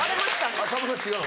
さんまさんは違う？